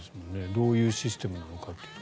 どういうシステムなのか。